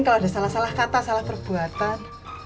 kalau ada salah salah kata salah perbuatan